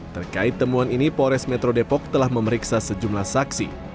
terkait temuan ini pores metro depok telah memeriksa sejumlah saksi